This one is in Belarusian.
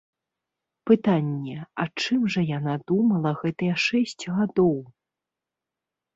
Пытанне, а чым жа яна думала гэтыя шэсць гадоў.